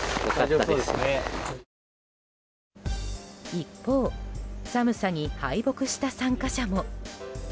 一方、寒さに敗北した参加者も。